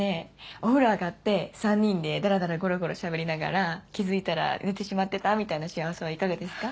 お風呂上がって３人でダラダラゴロゴロしゃべりながら気づいたら寝てしまってたみたいな幸せはいかがですか？